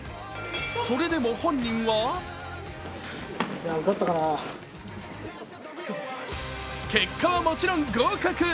それでも本人は結果は、もちろん合格。